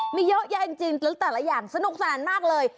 มีเยอะแยะจริงแล้วแต่ละอย่างสนุกสนานมากเลย